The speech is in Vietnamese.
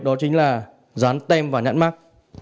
đó chính là dán tem vào nhãn mắt